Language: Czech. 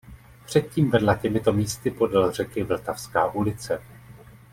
Předtím vedla těmito místy podél řeky "Vltavská" ulice.